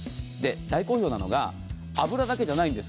大好評なのが油だけじゃないんです